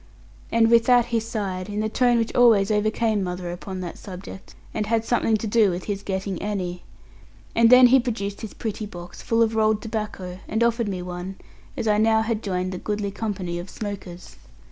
And with that he sighed, in the tone which always overcame mother upon that subject, and had something to do with his getting Annie; and then he produced his pretty box, full of rolled tobacco, and offered me one, as I now had joined the goodly company of smokers.